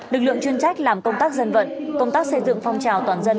lực lượng chuyên trách làm công tác dân vận công tác xây dựng phong trào toàn dân